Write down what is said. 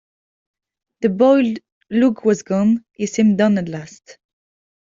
The boiled look was gone, he seemed done at last.